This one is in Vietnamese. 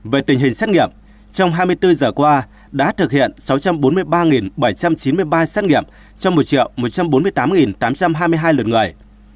về tình hình xét nghiệm trong hai mươi bốn giờ qua đã thực hiện sáu trăm bốn mươi ba bảy trăm chín mươi ba xét nghiệm trong một một trăm bốn mươi tám tám trăm hai mươi hai lượt người